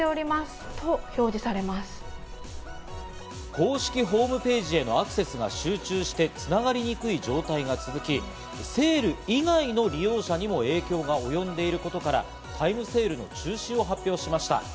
公式ホームページへのアクセスが集中して繋がりにくい状態が続き、セール以外の利用者にも影響がおよんでいることから、タイムセールの中止を発表しました。